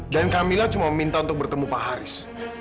dan kamila cuma meminta untuk bertemu pak haris